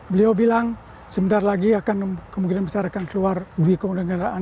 beliau bilang sebentar lagi akan kemungkinan besar akan keluar duit kewarganegaraan